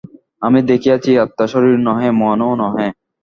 আমরা দেখিয়াছি, আত্মা শরীর নহে, মনও নহে।